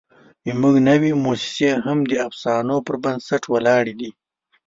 زموږ نوې موسسې هم د افسانو پر بنسټ ولاړې دي.